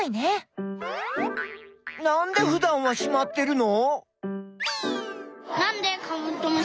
なんでふだんはしまってるの？